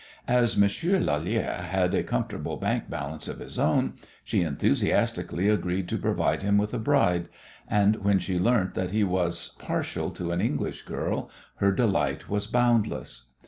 As Monsieur Lalère had a comfortable bank balance of his own she enthusiastically agreed to provide him with a bride, and when she learnt that he was partial to an English girl her delight was boundless.